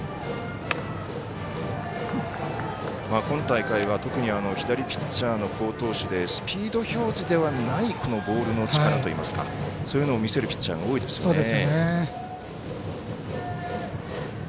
今大会は特に左ピッチャーの好投手でスピード表示ではないボールの力といいますかそういうのを見せるピッチャーが多いですよね。